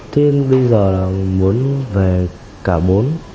thế em bây giờ muốn về cả bốn